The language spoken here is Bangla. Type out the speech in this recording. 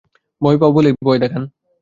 ভয় পাও বলেই ভয় দেখান।